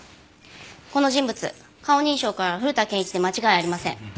この人物顔認証から古田憲一で間違いありません。